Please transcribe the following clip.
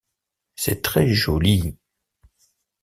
C'est très joli.